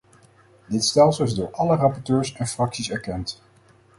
Dit stelsel is door alle rapporteurs en fracties erkend.